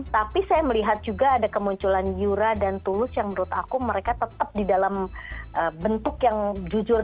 tapi saya melihat juga ada kemunculan yura dan tulus yang menurut aku mereka tetap di dalam bentuk yang jujur